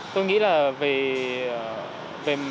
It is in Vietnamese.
tôi nghĩ là về